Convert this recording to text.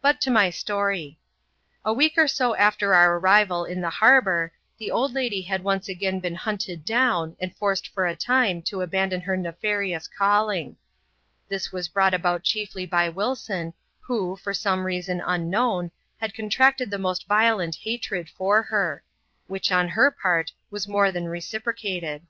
But to my story. A week oc so after our arriFal in the harbour, the old lady had once again been hunted down, and forced for the time to abfindon her nefarious calling. This was brought about chiefly by Wilson, who, for some reason unknown, had contracted the most violent hatred for her ; which, on her part, was more than leciprocated..